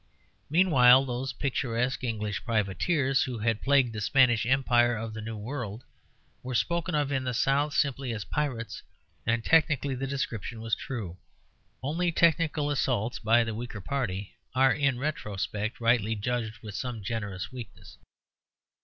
Meanwhile those picturesque English privateers who had plagued the Spanish Empire of the New World were spoken of in the South simply as pirates, and technically the description was true; only technical assaults by the weaker party are in retrospect rightly judged with some generous weakness.